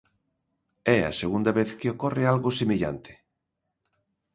É a segunda vez que ocorre algo semellante.